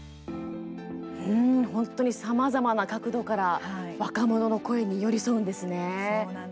本当にさまざまな角度から若者の声に寄り添うんですね。